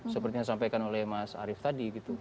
seperti yang disampaikan oleh mas arief tadi gitu